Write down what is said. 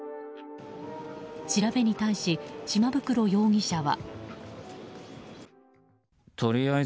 調べに対し、島袋容疑者は。